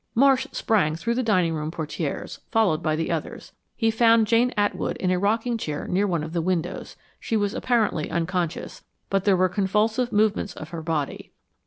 Marsh sprang through the dining room portieres, followed by the others. He found Jane Atwood in a rocking chair near one of the windows. She was apparently unconscious, but there were convulsive movements of her body.